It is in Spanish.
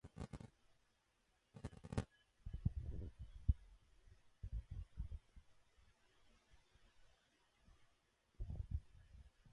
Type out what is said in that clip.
La propiedad del claustro se extendía prácticamente a toda la manzana.